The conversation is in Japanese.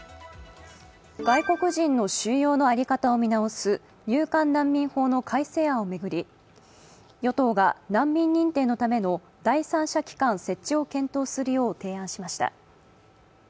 外国人の収容の在り方を見直す入管難民法の改正案を巡り与党が難民認定のための第三者機関設置を検討するよう提案しました。